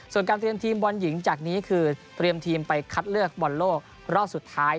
ส่วนการเตรียมทีมบอลหญิงจากนี้คือเตรียมทีมไปคัดเลือกบอลโลกรอบสุดท้าย